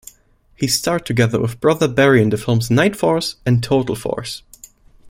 He starred together with brother Barry in the films "Nightforce" and "Total Force".